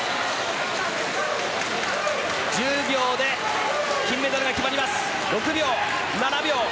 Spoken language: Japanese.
１０秒で金メダルが決まります。